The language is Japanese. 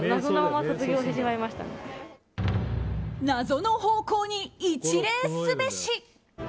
謎の方向に一礼すべし。